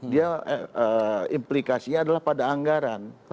dia implikasinya adalah pada anggaran